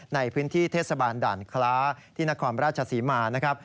ในพื้นที่เทศบาลด่านคล้าที่นครราชศรีมานะครับ